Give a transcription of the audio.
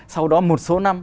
sau đó một số năm